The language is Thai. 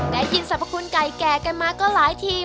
ได้ยินสรรพคุณไก่แก่กันมาก็หลายทีม